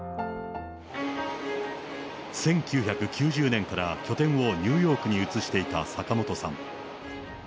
１９９０年から拠点をニューヨークに移していた坂本さん。